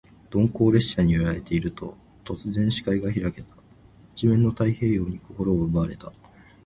鈍行列車に揺られていると、突然、視界が開けた。一面の太平洋に心を奪われた。